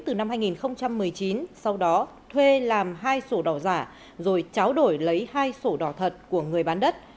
từ năm hai nghìn một mươi chín sau đó thuê làm hai sổ đỏ giả rồi tráo đổi lấy hai sổ đỏ thật